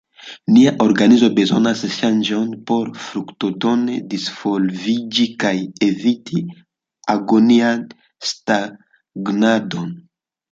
Nia organizo bezonas ŝanĝojn por fruktodone disvolviĝi kaj eviti agonian stagnadon.